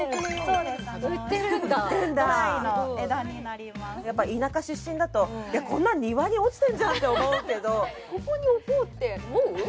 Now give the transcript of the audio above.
そうです売ってるんだやっぱ田舎出身だとこんなの庭に落ちてるじゃんって思うけどここに置こうって思う？